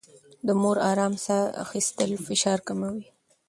د مور ارام ساه اخيستل فشار کموي.